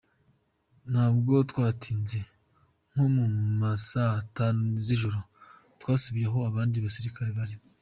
Ntabwo twahatinze, nko mu ma saa tanu z’ijoro twasubiye aho abandi basirikare bari.